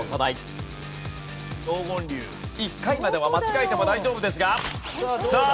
１回までは間違えても大丈夫ですが。